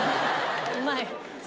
うまいね。